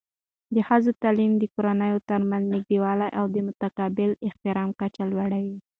د ښځینه تعلیم د کورنیو ترمنځ نږدېوالی او د متقابل احترام کچه لوړوي.